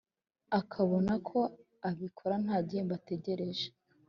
ikabona ko abikora nta gihembo ategereje.